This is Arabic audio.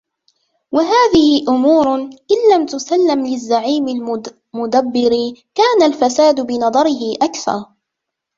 وَهَذِهِ أُمُورٌ إنْ لَمْ تَسْلَمْ لِلزَّعِيمِ الْمُدَبِّرِ كَانَ الْفَسَادُ بِنَظَرِهِ أَكْثَرَ